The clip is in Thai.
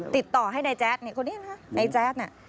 ติดต่อให้นายแจ๊ดเนี่ยคนนี้นะนายแจ๊ดน่ะ